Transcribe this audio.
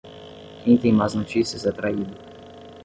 Quem tem más notícias é traído.